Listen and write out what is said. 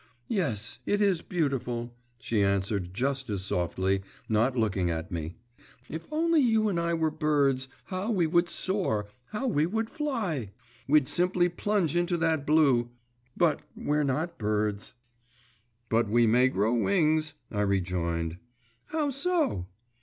'Yes, it is beautiful,' she answered just as softly, not looking at me. 'If only you and I were birds how we would soar, how we would fly.… We'd simply plunge into that blue.… But we're not birds.' 'But we may grow wings,' I rejoined. 'How so?